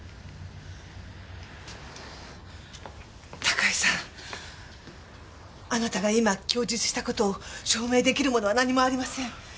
高井さんあなたが今供述した事を証明できるものは何もありません。